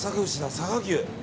佐賀牛。